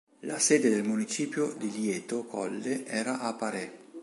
La sede del municipio di Lieto Colle era a Parè.